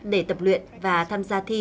để tập luyện và tham gia thi